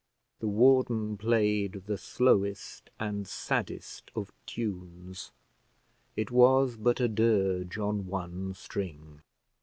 The warden played the slowest and saddest of tunes. It was but a dirge on one string.